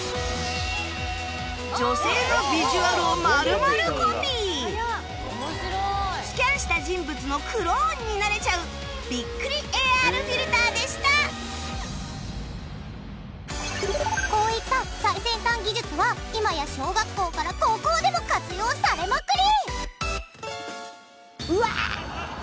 女性のビジュアルをスキャンした人物のクローンになれちゃうこういった最先端技術は今や小学校から高校でも活用されまくり！